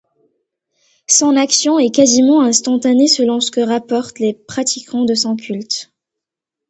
Son action est quasiment instantanée selon ce que rapportent les pratiquants de son culte.